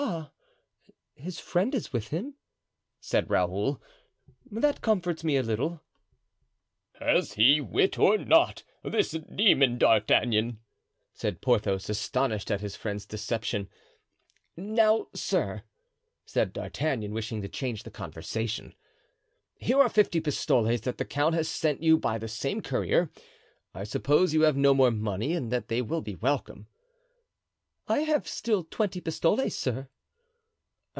"Ah, his friend is with him?" said Raoul. "That comforts me a little." "Has he wit or not—this demon D'Artagnan?" said Porthos, astonished at his friend's deception. "Now, sir," said D'Artagnan, wishing to change the conversation, "here are fifty pistoles that the count has sent you by the same courier. I suppose you have no more money and that they will be welcome." "I have still twenty pistoles, sir."